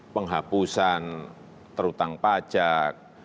penghapusan terhutang pajak